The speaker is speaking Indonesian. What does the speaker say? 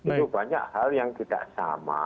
itu banyak hal yang tidak sama